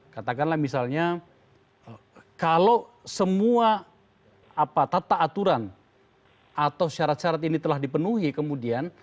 katakanlah misalnya kalau semua tata aturan atau syarat syarat ini telah dipenuhi kemudian